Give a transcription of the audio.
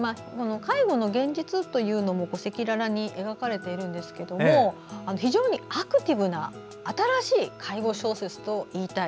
介護の現実というのも赤裸々に描かれているんですけど非常にアクティブな新しい介護小説と言いたい。